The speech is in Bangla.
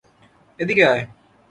এদিকে আয়।